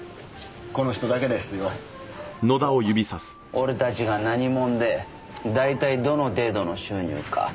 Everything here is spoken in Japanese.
俺たちが何者で大体どの程度の収入かねえ。